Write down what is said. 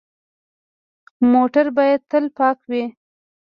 موټر باید تل پاک وي.